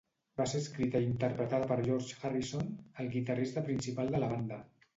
Va ser escrita i interpretada per George Harrison, el guitarrista principal de la banda.